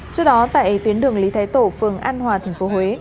trước đó tại tuyến đường lý thái tổ phường an hòa tp huế